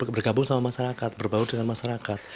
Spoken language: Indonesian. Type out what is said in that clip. bergabung sama masyarakat berbaur dengan masyarakat